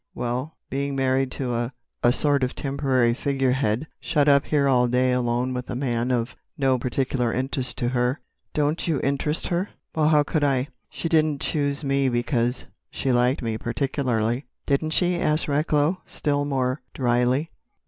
Well, being married to a—a sort of temporary figurehead—shut up here all day alone with a man of no particular interest to her——" "Don't you interest her?" "Well, how could I? She didn't choose me because she liked me particularly." "Didn't she?" asked Recklow, still more drily.